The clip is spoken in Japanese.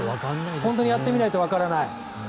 本当にやってみないとわからない。